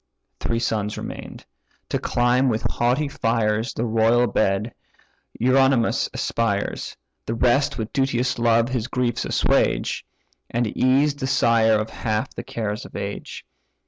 Three sons remain'd; to climb with haughty fires The royal bed, Eurynomus aspires; The rest with duteous love his griefs assuage, And ease the sire of half the cares of age.